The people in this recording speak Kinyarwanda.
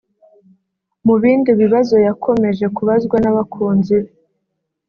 Mu bindi bibazo yakomeje kubazwa n’abakunzi be